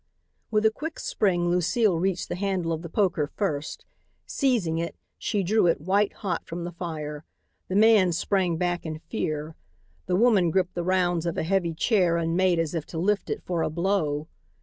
With a quick spring Lucile reached the handle of the poker first. Seizing it, she drew it, white hot, from the fire. The man sprang back in fear. The woman gripped the rounds of a heavy chair and made as if to lift it for a blow.